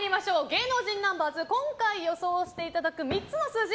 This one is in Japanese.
芸能人ナンバーズ今回予想していただく３つの数字